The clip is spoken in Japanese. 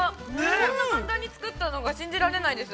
こんな簡単に作ったのが信じられないです。